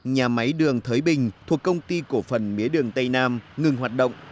nhà máy đường thới bình thuộc công ty cổ phần mía đường tây nam ngừng hoạt động